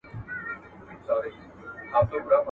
چي خاوند به یې روان مخ پر کوټې سو.